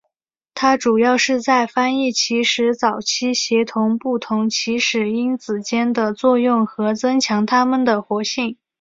它主要是在翻译起始早期协同不同起始因子间的作用和增强它们的活性。